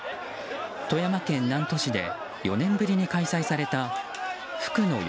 富山県南砺市で４年ぶりに開催された福野夜